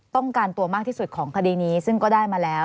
ต้องการตัวมากที่สุดของคดีนี้ซึ่งก็ได้มาแล้ว